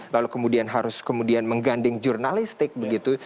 lalu kemudian harus kemudian menggandeng jurnalistik begitu